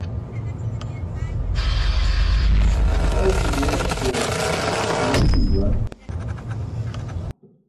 Sal ke guyoos ce i̇ṅi̇ di̇im juwan.